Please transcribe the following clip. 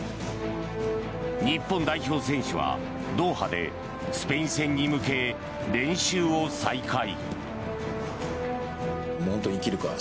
日本代表選手はドーハでスペイン戦に向け練習を再開。